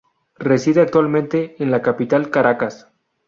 Reside actualmente en la capital Caracas.